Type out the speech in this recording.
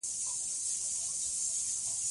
ايا تاسو کله د چکنۍ سره کورخې يا لوبيا خوړلي؟